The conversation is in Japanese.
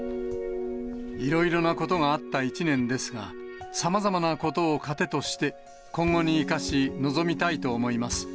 いろいろなことがあった一年ですが、さまざまなことを糧として、今後に生かし、臨みたいと思います。